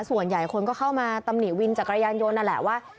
ส่วนใหญ่คนก็เข้ามาตำหนิวินจักรยานยนต์นั่นแหละว่า